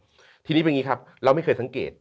ทีนี้เป็นอย่างนี้ครับเราไม่เคยสังเกต